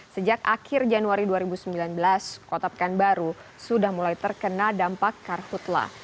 sejak akhir januari dua ribu sembilan belas kota pekanbaru sudah mulai terkena dampak karhutlah